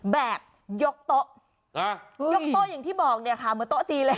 แบบยกโต๊ะยกโต๊ะอย่างที่บอกเนี่ยค่ะเหมือนโต๊ะจีนเลย